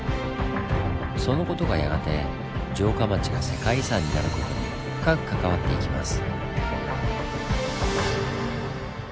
その事がやがて城下町が世界遺産になる事に深く関わっていきます。